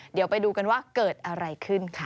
เดี๋ยวไปดูกันว่าเกิดอะไรขึ้นค่ะ